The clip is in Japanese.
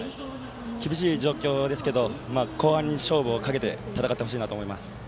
厳しい状況ですが後半に勝負をかけて戦ってほしいなと思います。